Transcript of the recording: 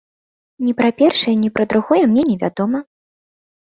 Ні пра першае, ні пра другое мне не вядома.